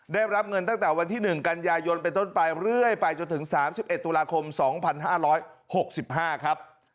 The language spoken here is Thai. ได้รับเงินตั้งแต่วันที่๑กันยายนเป็นต้นไปเรื่อยไปจนถึง๓๑ตุลาคม๒๕๖๕ครับ